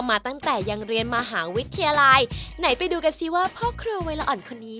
มาตั้งแต่ยังเรียนมหาวิทยาลัยไหนไปดูกันสิว่าพ่อครูวัยละอ่อนคนนี้